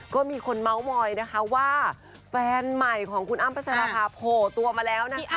ก็มีคนเมาส์มอยนะคะว่าแฟนใหม่ของคุณอ้ำพัชราภาโผล่ตัวมาแล้วนะคะ